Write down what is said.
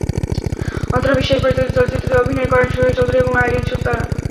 অন্তরা বিশ্বাস পরিচালিত চলচ্চিত্রটিতে অভিনয় করেন সোহেল চৌধু রী এবং আইরিন সুলতানা।